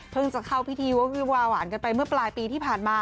เพิ่งจะเข้าพิธีวาหวานคันไปเมื่อปลายปีที่ผ่านมา